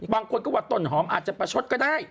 บางคนก็ว่าต้นหอมอาจจะประชดก็ได้